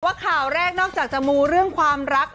ว่าข่าวแรกนอกจากจะมูเรื่องความรัก